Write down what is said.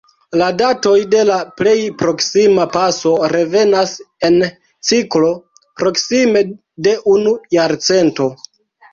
La datoj de la plej proksima paso revenas en ciklo proksime de unu jarcento.